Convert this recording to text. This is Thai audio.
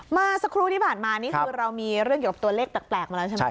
เมื่อสักครู่ที่ผ่านมานี่คือเรามีเรื่องเกี่ยวกับตัวเลขแปลกมาแล้วใช่ไหม